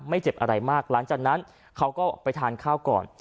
เจ็บอะไรมากหลังจากนั้นเขาก็ไปทานข้าวก่อน